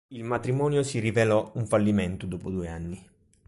Il matrimonio si rivelò un fallimento dopo due anni.